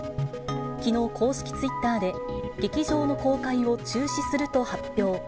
きのう、公式ツイッターで、劇場の公開を中止すると発表。